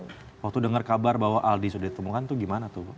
waktu dengar kabar aldi sudah ditemukan gimana tuh